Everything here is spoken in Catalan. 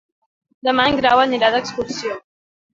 Demà en Grau anirà d'excursió.